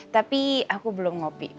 tapi aku belum ngopi